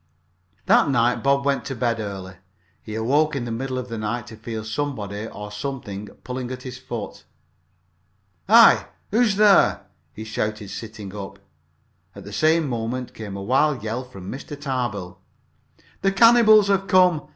That night Bob went to bed early. He awoke in the middle of the night to feel somebody or something pulling at his foot. "Hi! who is there?" he shouted, sitting up. At the same moment came a wild yell from Mr. Tarbill. "The cannibals have come!"